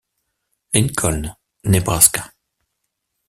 Lincoln, Nebraska.